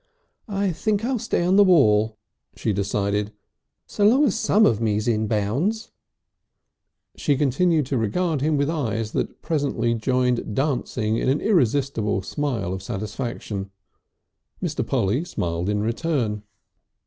"I think I'll stay on the wall," she decided. "So long as some of me's in bounds " She continued to regard him with eyes that presently joined dancing in an irresistible smile of satisfaction. Mr. Polly smiled in return.